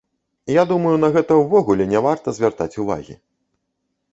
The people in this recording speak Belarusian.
Я думаю, на гэта ўвогуле не варта звяртаць увагі.